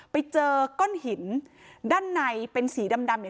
ไปเจอก้อนหินด้านในเป็นสีดำ